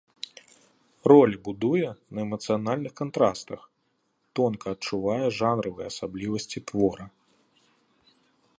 Ролі будуе на эмацыянальных кантрастах, тонка адчувае жанравыя асаблівасці твора.